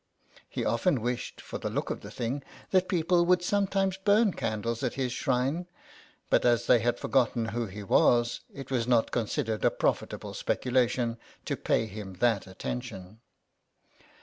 He often wished, for the look of the thing, that people would sometimes burn candles at his shrine ; but as they had forgotten who he was it was not considered a profitable specu lation to pay him that attention.